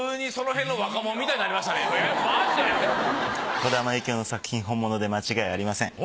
児玉幸雄の作品本物で間違いありません。